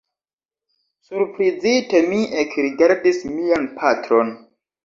Surprizite mi ekrigardis mian patron.